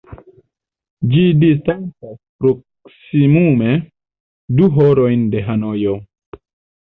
Ĝi distancas proksimume du horojn de Hanojo.